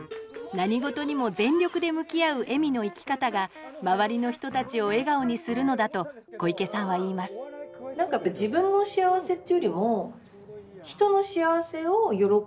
何事にも全力で向き合う恵美の生き方が周りの人たちを笑顔にするのだと小池さんは言いますっていうのはあって。